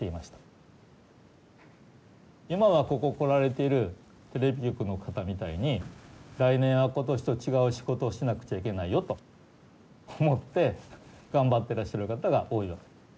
今はここ来られているテレビ局の方みたいに来年は今年と違う仕事をしなくちゃいけないよと思って頑張ってらっしゃる方が多いわけ。